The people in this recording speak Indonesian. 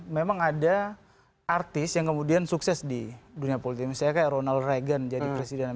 memang ada artis yang kemudian sukses di dunia politik misalnya kayak ronald reagan jadi presiden